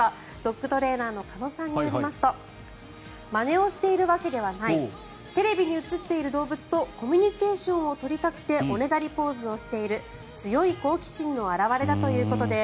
ドッグトレーナーの鹿野さんによりますとまねをしているわけではないテレビに映っている動物とコミュニケーションを取りたくておねだりポーズをしている強い好奇心の表れだということです。